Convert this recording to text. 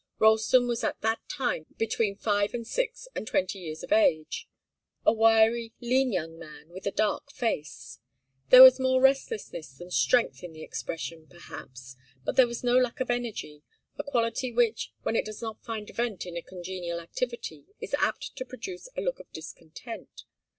Ralston was at that time between five and six and twenty years of age, a wiry, lean young man, with a dark face. There was more restlessness than strength in the expression, perhaps, but there was no lack of energy, a quality which, when it does not find vent in a congenial activity, is apt to produce a look of discontent.